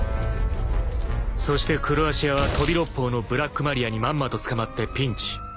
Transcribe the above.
［そして黒足屋は飛び六胞のブラックマリアにまんまと捕まってピンチ］